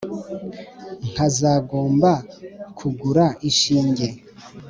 Nkazagomba kugura inshinge,